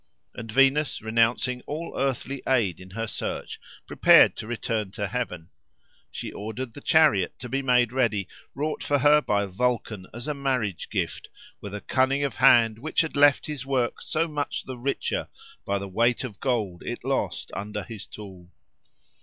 And Venus, renouncing all earthly aid in her search, prepared to return to heaven. She ordered the chariot to be made ready, wrought for her by Vulcan as a marriage gift, with a cunning of hand which had left his work so much the richer by the weight of gold it lost under his tool.